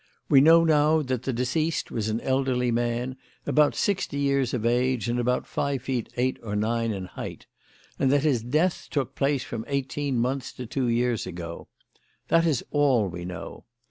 We now know that the deceased was an elderly man, about sixty years of age, and about five feet eight or nine in height; and that his death took place from eighteen months to two years ago. That is all we know.